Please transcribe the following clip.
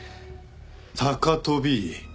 高飛び？